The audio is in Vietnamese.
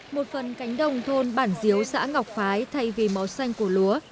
một phần cánh đồng thôn bản diếu xã ngọc phái thay vì màu xanh của lúa